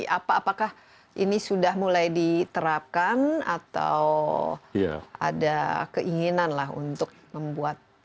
apa apakah ini sudah mulai diterapkan atau ada keinginan lah untuk membuat